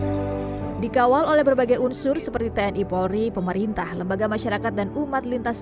hai dikawal oleh berbagai unsur seperti tni polri pemerintah lembaga masyarakat dan umat lintas